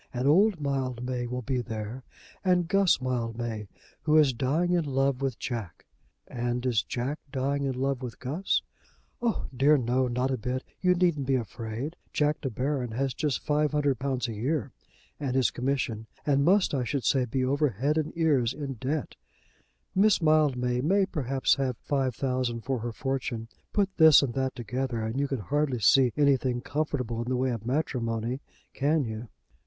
And old Mildmay will be there, and Guss Mildmay, who is dying in love with Jack." "And is Jack dying in love with Guss?" "Oh! dear no; not a bit. You needn't be afraid. Jack De Baron has just £500 a year and his commission, and must, I should say, be over head and ears in debt. Miss Mildmay may perhaps have £5,000 for her fortune. Put this and that together, and you can hardly see anything comfortable in the way of matrimony, can you?"